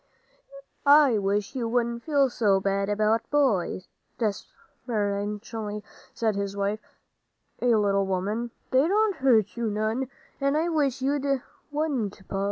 "I wish you wouldn't feel so about boys," deprecatingly said his wife, a little woman; "they don't hurt you none, and I wish you wouldn't, Pa."